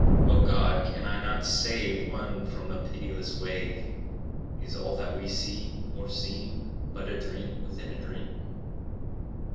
O God! can I not save One from the pitiless wave? Is all that we see or seem But a dream within a dream?.